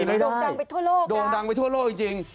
โด่งดังไปทั่วโลกโด่งดังไปทั่วโลกจริง